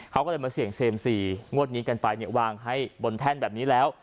เขาก็เลยมาเสี่ยงเซ็มซีงวดนี้กันไปเนี่ยวางให้บนแท่นแบบนี้แล้ว